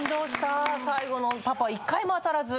最後のパパ１回も当たらず。